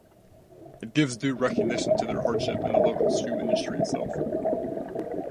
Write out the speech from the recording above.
It gives due recognition to their hardship and the local shoe industry itself.